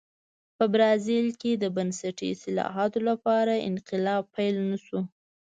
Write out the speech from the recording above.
په برازیل کې د بنسټي اصلاحاتو لپاره انقلاب پیل نه شو.